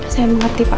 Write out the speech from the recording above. saya mengerti pak